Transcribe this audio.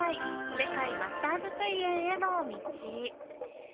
世界マスターズ水泳への道。